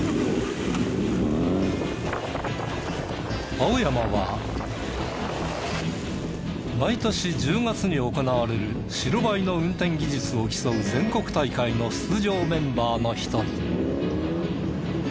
青山は毎年１０月に行われる白バイの運転技術を競う全国大会の出場メンバーの１人。